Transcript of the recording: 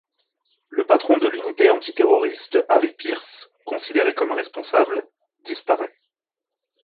Le patron de l’unité antiterroriste Harry Pearce, considéré comme responsable, disparaît.